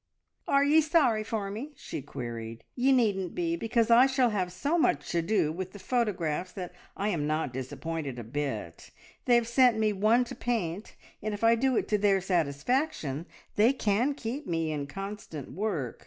"Are ye sorry for me?" she queried. "Ye needn't be, because I shall have so much to do with the photographs that I am not disappointed a bit. They have sent me one to paint, and if I do it to their satisfaction they can keep me in constant work.